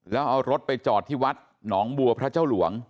แล้วเอารถไปจอดที่วัดหนองบัวพระเจ้าหลวง